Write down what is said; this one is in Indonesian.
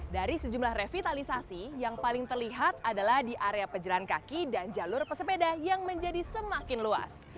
dari sejumlah revitalisasi yang paling terlihat adalah di area pejalan kaki dan jalur pesepeda yang menjadi semakin luas